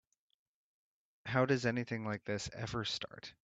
How does anything like this ever start?